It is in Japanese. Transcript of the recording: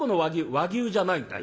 「和牛じゃないんだよ。